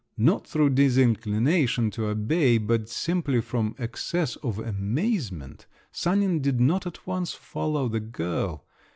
Not through disinclination to obey, but simply from excess of amazement, Sanin did not at once follow the girl.